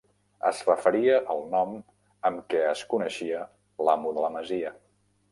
Es referia al nom amb què es coneixia l'amo de la masia.